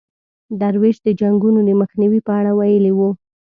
درویش د جنګونو د مخنیوي په اړه ویلي وو.